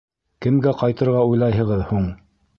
Кемгә ҡайтырға уйлайһығыҙ һуң?